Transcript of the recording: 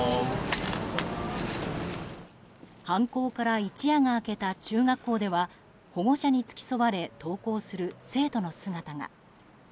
犯行から一夜が明けた中学校では保護者に付き添われ登校する生徒の姿が。